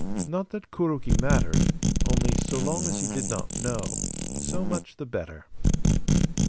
Not that Kuroki mattered; only so long as he did not know, so much the better.